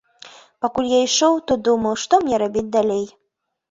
Пакуль я ішоў, то думаў, што мне рабіць далей.